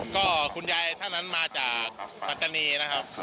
ก็คุณยายท่านนั้นมาจากปัตตานีนะครับ